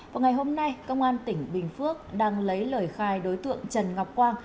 vào ngày hôm nay công an tỉnh bình phước đang lấy lời khai đối tượng trần ngọc quang